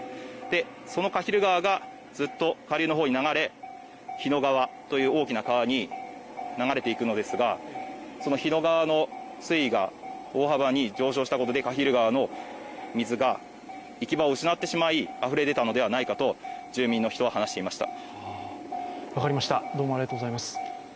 その鹿蒜川がずっと下流の方に流れ、日野川という大きな川に流れていくのですが日野川の水位が大幅に上昇したことで鹿蒜川の水が行き場を失ってしまいあふれ出たのではないかと住民の人は話していました。